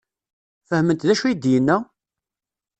Fehment d acu i d-yenna?